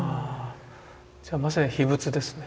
じゃあまさに秘仏ですね。